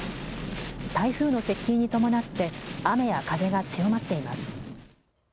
台風の接近に伴って雨や風が強まっています。